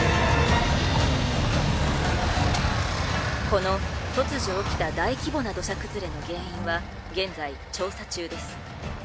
この突如起きた大規模な土砂崩れの原因は現在調査中です。